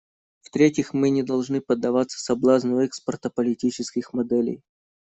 В-третьих, мы не должны поддаваться соблазну экспорта политических моделей.